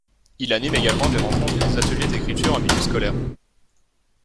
Il anime également des rencontres et des ateliers d'écriture en milieu scolaire.